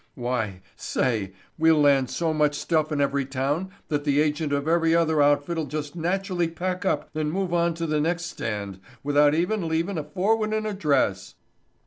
Why, say, we'll land so much stuff in every town that the agent of every other outfit'll just naturally pack up and move on to the next stand without even leavin' a forwardin' address."